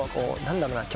何だろな。